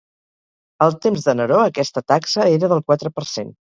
Al temps de Neró aquesta taxa era del quatre per cent.